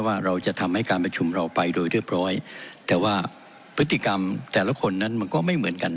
ว่าเราจะทำให้การประชุมเราไปโดยเรียบร้อยแต่ว่าพฤติกรรมแต่ละคนนั้นมันก็ไม่เหมือนกัน